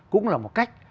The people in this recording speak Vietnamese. cũng là một cách